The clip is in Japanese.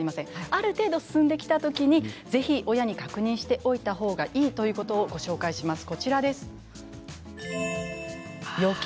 ある程度、進んできた時にぜひ親に確認しておいた方がいいということをご紹介します。